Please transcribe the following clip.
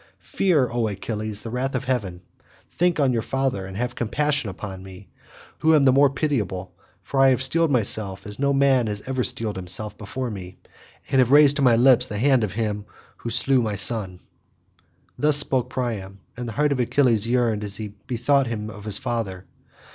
Fear, O Achilles, the wrath of heaven; think on your own father and have compassion upon me, who am the more pitiable, for I have steeled myself as no man yet has ever steeled himself before me, and have raised to my lips the hand of him who slew my son." Thus spoke Priam, and the heart of Achilles yearned as he bethought him of his father.